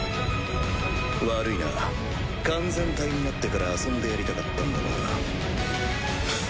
悪いな完全体になってから遊んでやりたかったんだが。